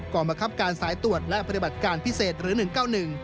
กรรมคับการสายตรวจและปฏิบัติการพิเศษหรือ๑๙๑